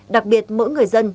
đặc biệt mỗi người dân